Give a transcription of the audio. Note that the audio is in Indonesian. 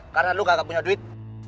karena lu gak punya duit